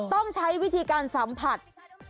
ต้องใช้วิธีการสัมผัส